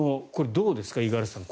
どうですか、五十嵐さん。